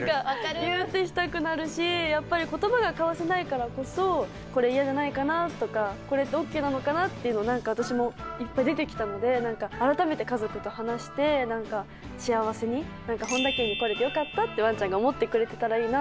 ギュッてしたくなるしやっぱり言葉が交わせないからこそこれ嫌じゃないかなとかこれってオッケーなのかなっていうのを何か私もいっぱい出てきたので改めて家族と話して何か幸せにってワンちゃんが思ってくれてたらいいなと思うので。